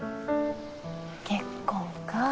結婚かぁ。